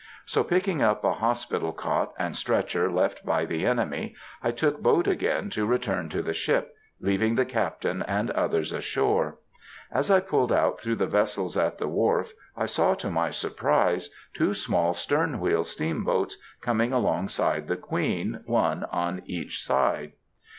So, picking up a hospital cot and stretcher left by the enemy, I took boat again to return to the ship, leaving the Captain and others ashore. As I pulled out through the vessels at the wharf, I saw to my surprise two small "stern wheel" steamboats coming along side the Queen, one on each side.